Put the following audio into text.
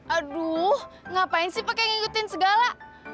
aduh ngapain sih pakai ngikutin segala